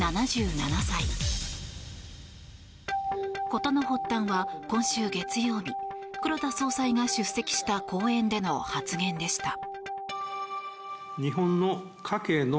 事の発端は今週月曜日黒田総裁が出席した講演での発言でした。